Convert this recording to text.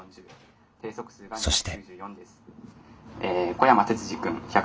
そして。